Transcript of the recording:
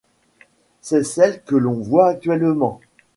C'est celle que l'on voit actuellement.